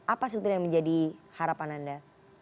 apa sebetulnya yang menjadi harapan anda